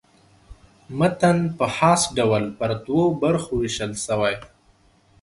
متن په خاص ډول پر دوو برخو وېشل سوی.